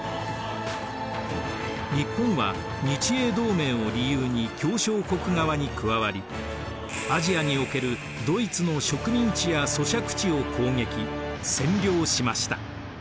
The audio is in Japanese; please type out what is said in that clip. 日本は日英同盟を理由に協商国側に加わりアジアにおけるドイツの植民地や租借地を攻撃占領しました。